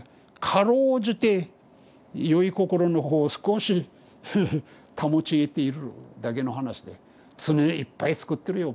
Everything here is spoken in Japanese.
辛うじてよい心の方を少しフフ保ちえているだけの話で罪をいっぱいつくってるよ